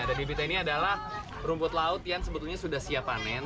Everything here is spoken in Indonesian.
dan bibitnya ini adalah rumput laut yang sebetulnya sudah siap panen